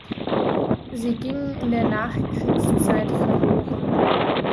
Sie gingen in der Nachkriegszeit verloren.